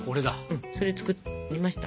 うんそれ作りました。